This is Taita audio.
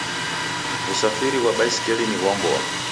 Wusafiri ghwa basikili ni ghwa mboa.